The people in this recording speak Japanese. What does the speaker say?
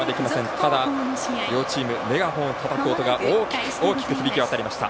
ただ、両チームメガホンをたたく音が大きく大きく響き渡りました。